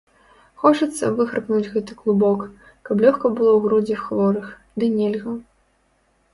Хочацца выхаркнуць гэты клубок, каб лёгка было ў грудзях хворых, ды нельга.